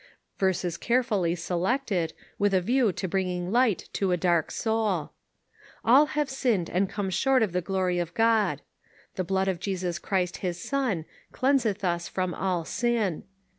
Verses carefully selected, with a view to bringing light to a dark soul :" All have sinned and come short of the glory of God." "The blood of Jesus Christ his Son cleanseth us from all sin."